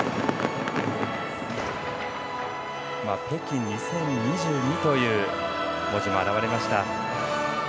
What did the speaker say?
北京２０２２という文字も現れました。